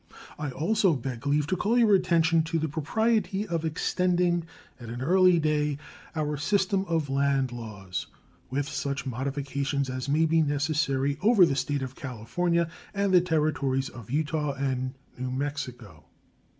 I also beg leave to call your attention to the propriety of extending at an early day our system of land laws, with such modifications as may be necessary, over the State of California and the Territories of Utah and New Mexico.